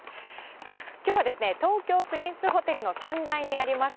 さあ、きょうはですね、東京プリンスホテルの３階にあります